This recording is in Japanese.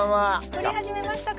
降り始めましたか。